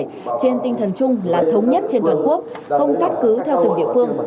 trên tinh thần chung là thống nhất trên toàn quốc không cắt cứ theo từng địa phương